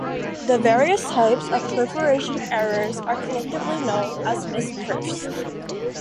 The various types of perforation errors are collectively known as misperfs.